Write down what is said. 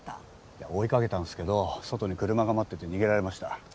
いや追いかけたんすけど外に車が待ってて逃げられました。